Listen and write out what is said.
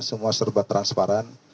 semua serba transparan